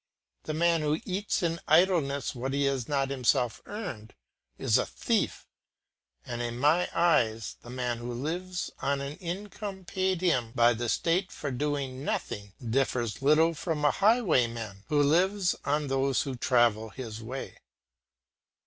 The man who eats in idleness what he has not himself earned, is a thief, and in my eyes, the man who lives on an income paid him by the state for doing nothing, differs little from a highwayman who lives on those who travel his way.